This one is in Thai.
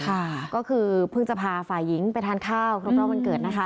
ค่ะก็คือเพิ่งจะพาฝ่ายหญิงไปทานข้าวครบรอบวันเกิดนะคะ